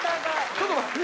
ちょっと待って。